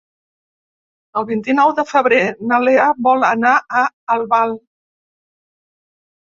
El vint-i-nou de febrer na Lea vol anar a Albal.